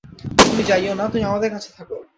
তুমি যাইও না, তুমি আমাদের কাছে থাক।